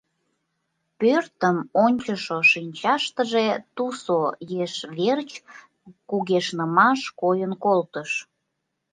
Пӧртым ончышо шинчаштыже тусо еш верч кугешнымаш койын колтыш.